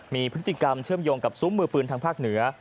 มีพฤติกรรมเชื่อมโยงกับซุ้มมือปืนทางภาคเหนือ